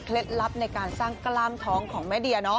ลับในการสร้างกล้ามท้องของแม่เดีย